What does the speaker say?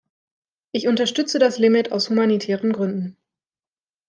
Ich unterstütze das Limit aus humanitären Gründen.